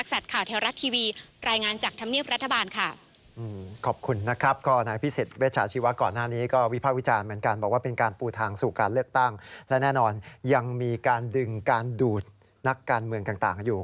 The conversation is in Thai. ขอบคุณนะครับก็นายอภิษฎิเวชาชีวะก่อนหน้านี้ก็วิพากษ์วิจารณ์เหมือนกันบอกว่าเป็นการปูทางสู่การเลือกตั้งและแน่นอนยังมีการดึงการดูดนักการเมืองต่างอยู่